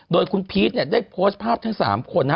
โดยคุณพีชเนี่ยได้โพสต์ภาพทั้ง๓คน